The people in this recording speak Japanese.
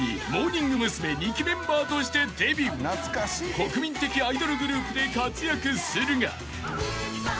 ［国民的アイドルグループで活躍するが］